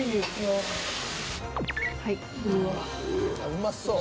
うまそう。